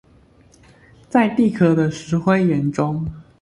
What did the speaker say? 在地殼的石灰岩中